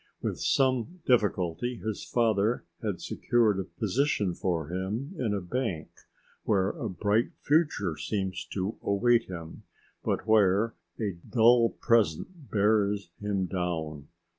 With some difficulty his father had secured a position for him in a bank where a bright future seems to await him but where a dull present bears him down.